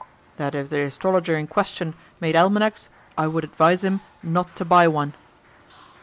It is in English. "That if the astrologer in question made almanacs I would advise him not to buy one."